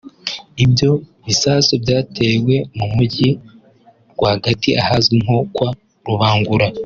Ibyo bisasu byatewe mu mujyi rwagati ahazwi nko “Kwa Rubangura”